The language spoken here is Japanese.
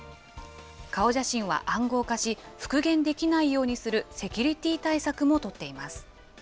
顔写真は暗号化し、復元できないようにするセキュリティー対策も取っています。